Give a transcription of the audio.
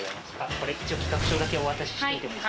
これ一応企画書だけお渡ししておきます。